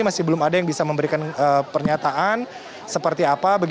masih belum ada yang bisa memberikan pernyataan seperti apa